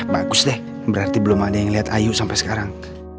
bagus deh berarti belum ada yang lihat ayu sampai sekarang